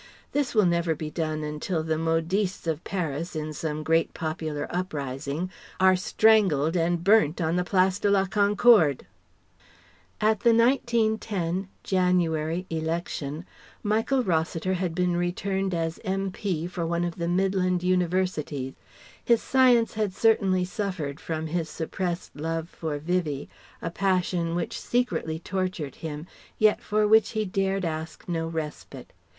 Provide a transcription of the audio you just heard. This will never be done until the modistes of Paris, in some great popular uprising, are strangled and burnt on the Place de la Concorde. At the 1910 (January) Election, Michael Rossiter had been returned as M.P. for one of the Midland Universities. His Science had certainly suffered from his suppressed love for Vivie, a passion which secretly tortured him, yet for which he dared ask no respite.